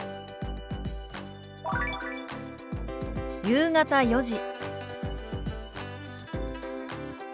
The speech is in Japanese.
「夕方４時」。